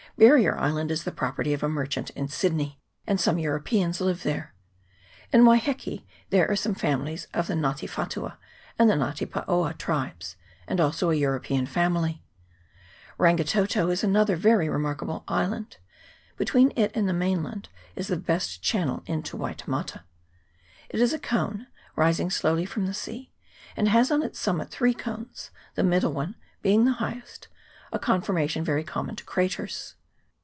Bar rier Island is the property of a merchant in Sydney, and some Europeans live there. In Waiheke there are some families of the Ngta te whatua and the Nga te paoa tribes, and also a European family. Ran gi to to is another very remarkable island ; between it and the mainland is the best channel into Waitemata. It is a cone, rising slowly from the sea, and has on its summit three cones, the middle one being the highest, a conformation very common to craters.